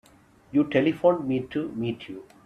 You telephoned me to meet you.